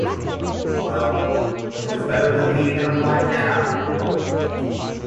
Well... it was better than leaving in a black cab.